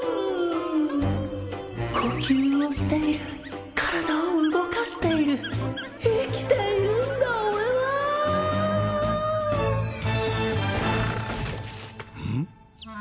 呼吸をしている体を動かしている生きているんだ俺はうん？